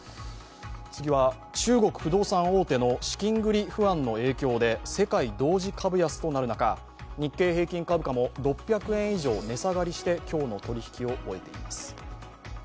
次は、中国不動産大手の資金繰り不安の影響で世界同時株安となる中日経平均株価も６００円以上値下がりして今日の取引を終えています。